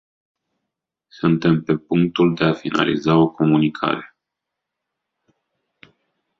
Suntem pe punctul de a finaliza o comunicare.